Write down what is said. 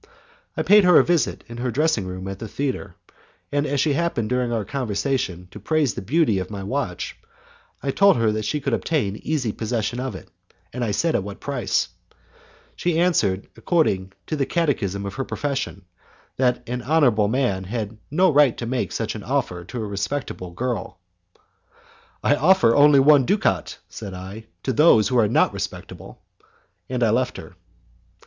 I paid her a visit in her dressing room at the theatre, and as she happened during our conversation to praise the beauty of my watch, I told her that she could easily obtain possession of it, and I said at what price. She answered, according to the catechism of her profession, that an honourable man had no right to make such an offer to a respectable girl. "I offer only one ducat," said I, "to those who are not respectable." And I left her.